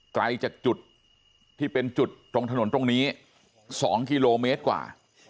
ไกลจากจุดที่เป็นจุดตรงถนนตรงนี้๒กิโลเมตรกว่า